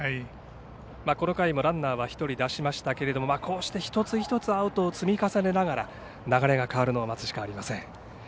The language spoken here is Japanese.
この回はランナーは１人出しましたけれどもこうして一つ一つアウトを積み重ねながら流れが変わるのを待つしかありません。